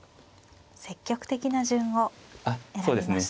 積極的な順を選びました。